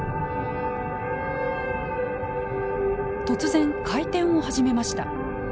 突然回転を始めました。